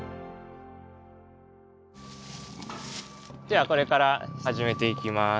ではこれから始めていきます。